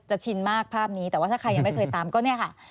ชินมากภาพนี้แต่ว่าถ้าใครยังไม่เคยตามก็เนี่ยค่ะ